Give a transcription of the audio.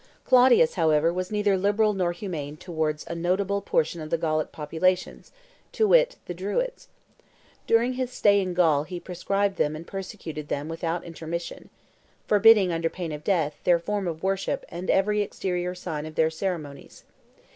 Claudius, however, was neither liberal nor humane towards a notable portion of the Gallic populations, to wit, the Druids. During his stay in Gaul he proscribed them and persecuted them without intermission; forbidding, under pain of death, their form of worship and every exterior sign of their ceremonies.